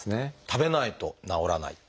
食べないと治らない。